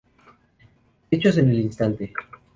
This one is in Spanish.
Hechos en el instante